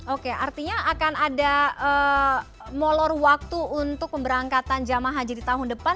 oke artinya akan ada molor waktu untuk pemberangkatan jamaah haji di tahun depan